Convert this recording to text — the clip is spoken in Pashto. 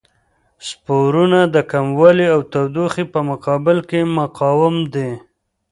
سپورونه د کموالي او تودوخې په مقابل کې مقاوم دي.